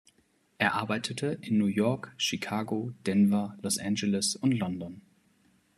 Er arbeitete in New York, Chicago, Denver, Los Angeles und London.